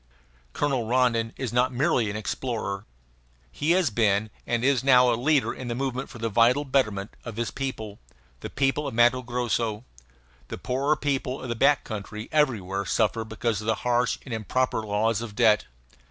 Colonel Rondon is not merely an explorer. He has been and is now a leader in the movement for the vital betterment of his people, the people of Matto Grosso. The poorer people of the back country everywhere suffer because of the harsh and improper laws of debt.